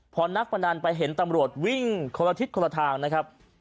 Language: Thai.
พอนักพนันไปเห็นตำรวจวิ่งคนละทิศคนละทางนะครับ